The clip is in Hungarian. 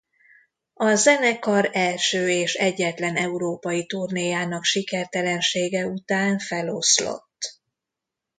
A zenekar első és egyetlen európai turnéjának sikertelensége után feloszlott.